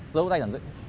giấu tay giàn dựng